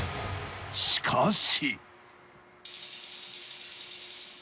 しかし。